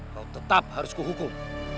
kau tetap harus kuhukum